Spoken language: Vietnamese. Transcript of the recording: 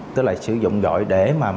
tức là sử dụng gọi để mà mòi